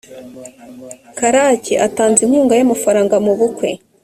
karake atanze inkunga y amagafanga mu bukwe